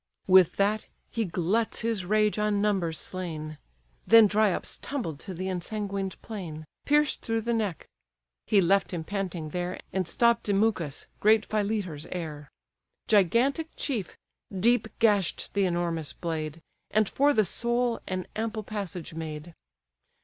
With that, he gluts his rage on numbers slain: Then Dryops tumbled to the ensanguined plain, Pierced through the neck: he left him panting there, And stopp'd Demuchus, great Philetor's heir. Gigantic chief! deep gash'd the enormous blade, And for the soul an ample passage made.